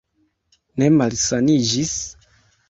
Ne malsaniĝis?